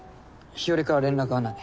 日和から連絡はない。